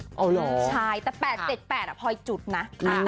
อ๋อเหรอใช่แต่๘๗๘อะพอจุดนะ